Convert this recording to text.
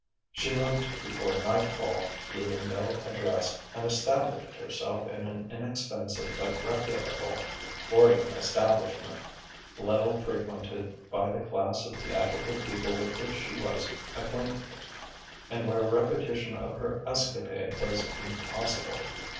She moved before nightfall, leaving no address, and established herself in an inexpensive but reputable boarding establishment, little frequented by the class of theatrical people with which she was acquainted, and where a repetition of her escapade was impossible.